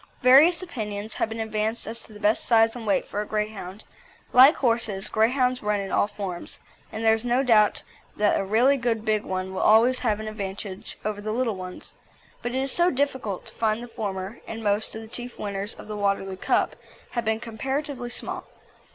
Various opinions have been advanced as to the best size and weight for a Greyhound. Like horses, Greyhounds run in all forms, and there is no doubt that a really good big one will always have an advantage over the little ones; but it is so difficult to find the former, and most of the chief winners of the Waterloo Cup have been comparatively small.